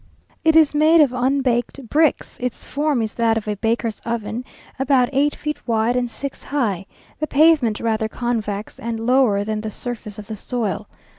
It is made of unbaked bricks; its form is that of a baker's oven, about eight feet wide and six high; the pavement rather convex, and lower than the surface of the soil.